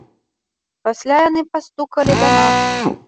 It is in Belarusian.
Пасля яны пастукалі да нас.